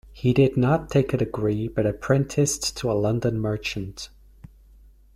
He did not take a degree but apprenticed to a London merchant.